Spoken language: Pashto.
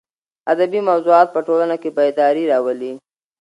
ادبي موضوعات په ټولنه کې بېداري راولي.